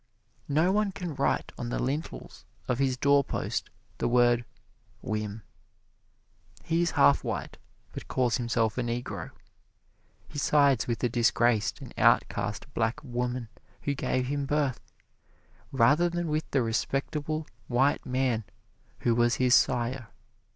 No one can write on the lintels of his doorpost the word, "Whim." He is half white, but calls himself a Negro. He sides with the disgraced and outcast black woman who gave him birth, rather than with the respectable white man who was his sire.